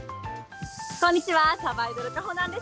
こんにちは、さばいどる、かほなんです。